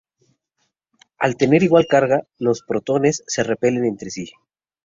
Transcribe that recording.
Al tener igual carga, los protones se repelen entre sí.